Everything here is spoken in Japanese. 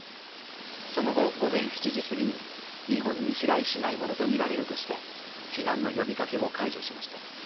その後、午前７時すぎに日本に飛来しないものとみられるとして避難の呼びかけを解除しました。